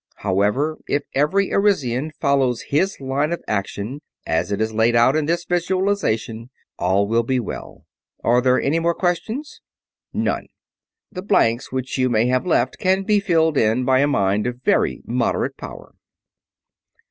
However, if every Arisian follows his line of action as it is laid out in this Visualization, all will be well. Are there any more questions?" "None. The blanks which you may have left can be filled in by a mind of very moderate power."